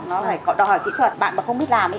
nó phải có đòi kỹ thuật bạn mà không biết làm